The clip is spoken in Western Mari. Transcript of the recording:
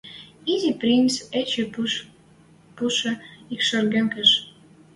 Изи принц эче пуше якшарген кеш.